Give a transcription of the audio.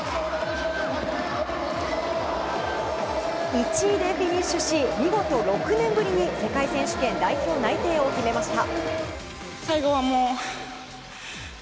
１位でフィニッシュし見事、６年ぶりに世界選手権代表内定を決めました。